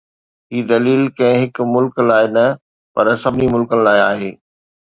هي دليل ڪنهن هڪ ملڪ لاءِ نه، پر سڀني ملڪن لاءِ آهي.